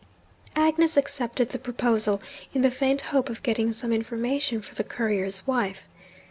Agnes accepted the proposal, in the faint hope of getting some information for the courier's wife.